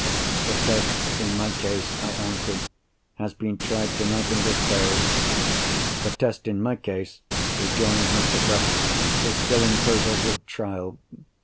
"The test, in my case," I answered, "has been tried tonight, and has failed." "The test, in my case," rejoined Mr. Bruff, "is still in process of trial.